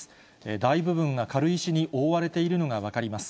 大部分が軽石に覆われているのが分かります。